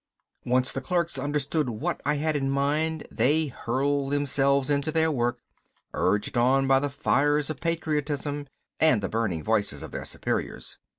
Once the clerks understood what I had in mind they hurled themselves into their work, urged on by the fires of patriotism and the burning voices of their superiors.